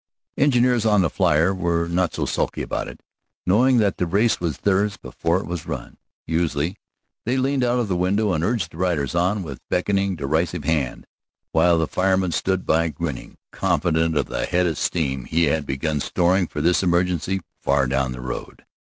Engineers on the flier were not so sulky about it, knowing that the race was theirs before it was run. Usually they leaned out of the window and urged the riders on with beckoning, derisive hand, while the fireman stood by grinning, confident of the head of steam he had begun storing for this emergency far down the road.